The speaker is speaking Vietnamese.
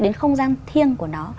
đến không gian thiêng của nó